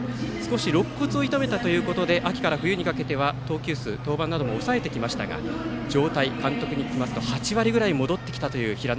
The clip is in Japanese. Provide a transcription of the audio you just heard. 少しろっ骨を痛めたということで秋から冬にかけては投球数、登板なども抑えてきましたが、状態は監督に聞きますと８割ぐらい戻ってきました。